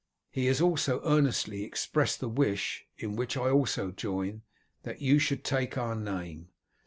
He has also earnestly expressed the wish, in which I also join, that you should take our name.